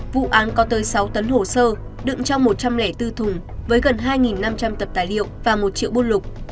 vụ án có tới sáu tấn hồ sơ đựng trong một trăm linh bốn thùng với gần hai năm trăm linh tập tài liệu và một triệu bôn lục